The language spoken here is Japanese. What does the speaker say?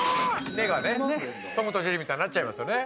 目がね「トムとジェリー」みたいになっちゃいますよね